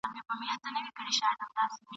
چي د زرکي په څېر تور ته خپل دوستان وړي ..